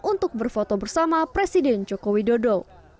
untuk berfoto bersama presiden joko widodo